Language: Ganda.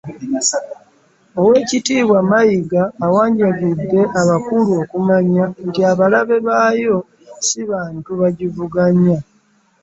Oweekitiibwa Mayiga awanjagidde abakulu okumanya nti abalabe baayo si bantu bagivuganya